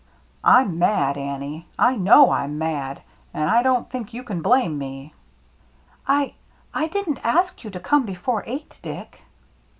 "I'm mad, Annie, — I know I'm mad — and I don't think you can blame me." "I — I didn't ask you to come before eight, Dick."